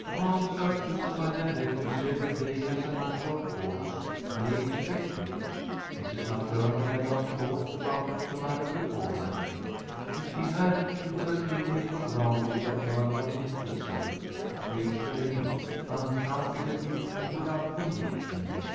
Aunts are kissed by their nephews every day as a matter of course. They expect it. Mrs. MacDermott had not thought about the matter beforehand. If she had she would have taken it for granted that Bertram would kiss her, occasionally, uncomfortably and without conviction.